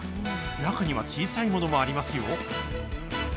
中には小さいものもありますよ。